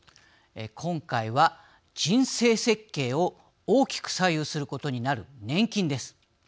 今回は人生設計を大きく左右することになる年金です。